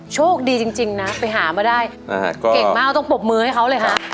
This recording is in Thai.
โชคดีจริงนะไปหามาได้เก่งมากต้องปรบมือให้เขาเลยค่ะ